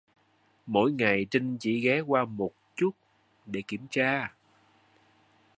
Mỗi ngày Trinh chỉ ghé qua một chút để kiểm tra